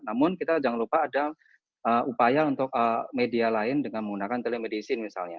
namun kita jangan lupa ada upaya untuk media lain dengan menggunakan telemedicine misalnya